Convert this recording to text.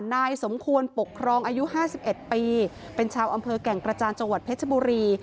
นายสมควรปกครองอายุ๕๑ปีเป็นชาวอำเภอแก่งกระจานจังหวัดเพชรบุรี